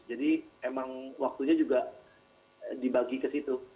jadi emang waktunya juga dibagi ke situ